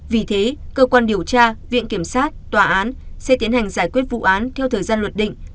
vì thế cơ quan điều tra viện kiểm sát tòa án sẽ tiến hành giải quyết vụ án theo thời gian luật định